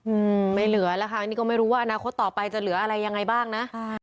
อืมไม่เหลือแล้วค่ะนี่ก็ไม่รู้ว่าอนาคตต่อไปจะเหลืออะไรยังไงบ้างนะค่ะ